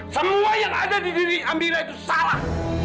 semua yang ada di diri ambira itu salah